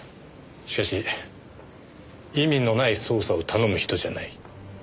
しかし意味のない捜査を頼む人じゃない。